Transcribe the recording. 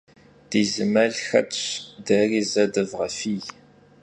Di zı mel xetş, deri ze dıvğefiy.